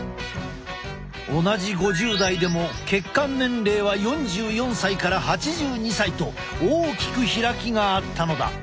同じ５０代でも血管年齢は４４歳から８２歳と大きく開きがあったのだ。